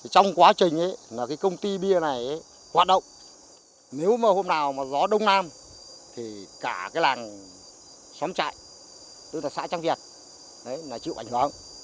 trong quá trình công ty bia này hoạt động nếu mà hôm nào gió đông nam thì cả làng xóm chạy tư tật xã trang việt là chịu ảnh hưởng